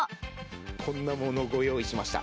こんなものご用意しました。